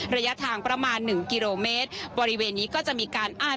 ระยะทางประมาณหนึ่งกิโลเมตรบริเวณนี้ก็จะมีการอ้าน